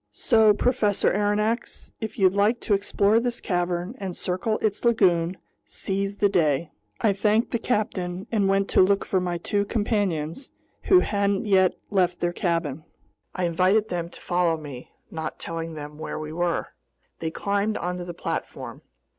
So, Professor Aronnax, if you'd like to explore this cavern and circle its lagoon, seize the day." I thanked the captain and went to look for my two companions, who hadn't yet left their cabin. I invited them to follow me, not telling them where we were. They climbed onto the platform.